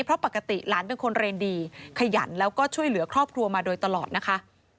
เพราะปกติหลานเป็นคนเรียนดีขยันแล้วก็ช่วยเหลือครอบครัวมาโดยตลอดนะคะ